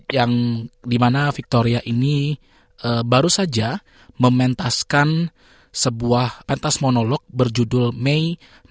yang dimana victoria ini baru saja mementaskan sebuah pentas monolog berjudul may seribu sembilan ratus sembilan puluh delapan